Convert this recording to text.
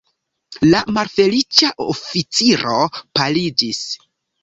La malfeliĉa oficiro paliĝis.